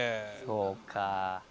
「そうかあ」